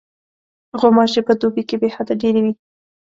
غوماشې په دوبي کې بېحده ډېرې وي.